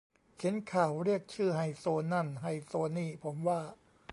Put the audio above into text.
เขียนข่าว เรียกชื่อ ไฮโซ นั่นไฮโซนี่ ผมว่า